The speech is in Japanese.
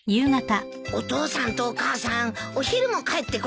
お父さんとお母さんお昼も帰ってこなかったね。